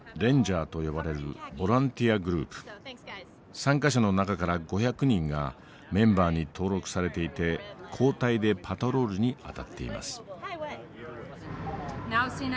参加者の中から５００人がメンバーに登録されていて交代でパトロールに当たっています。